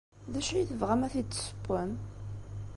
D acu ay tebɣam ad t-id-tessewwem?